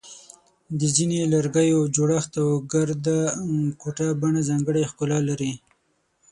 د ځینو لرګیو جوړښت او ګرده ګوټه بڼه ځانګړی ښکلا لري.